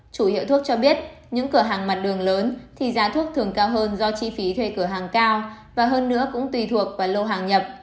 chủ hiệu thuốc cho biết những cửa hàng mặt đường lớn thì giá thuốc thường cao hơn do chi phí thuê cửa hàng cao và hơn nữa cũng tùy thuộc vào lô hàng nhập